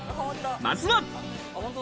まずは。